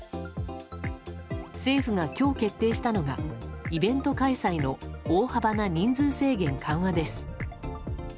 政府が今日決定したのがイベント開催の大幅な人数制限緩和です。